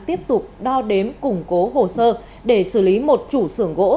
tiếp tục đo đếm củng cố hồ sơ để xử lý một chủ sưởng gỗ